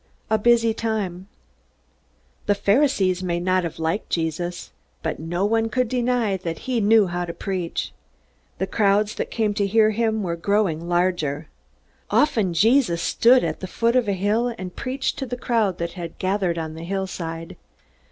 A Busy Time The Pharisees may not have liked Jesus, but no one could deny that he knew how to preach. The crowds that came to hear him were growing larger. Often Jesus stood at the foot of a hill and preached to the crowd that had gathered on the hillside.